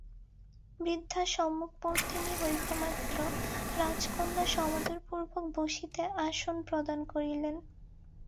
বৃদ্ধা সম্মুখবর্তিনী হইবামাত্র রাজকন্যা সমাদরপূর্বক বসিতে আসন প্রদান করিলেন।